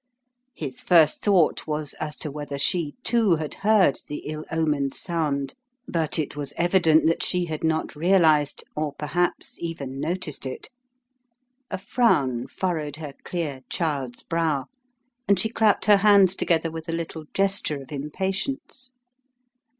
His first thought was as to whether she, too, had heard the ill omened sound, but it was evident that she had not realized, or perhaps even noticed it. A frown furrowed her clear, child's brow and she clapped her hands together with a little gesture of impatience.